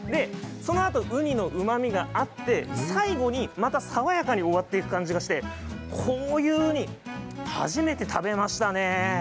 そのあとウニのうまみがあって最後に、また爽やかに終わっていく感じがしてこういうウニ初めて食べましたね。